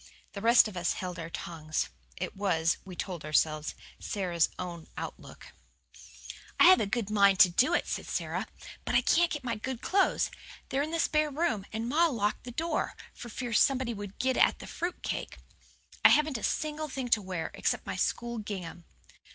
The rest of us held our tongues. It was, we told ourselves, Sara's own lookout. "I have a good mind to do it," said Sara, "but I can't get my good clothes; they're in the spare room, and ma locked the door, for fear somebody would get at the fruit cake. I haven't a single thing to wear, except my school gingham."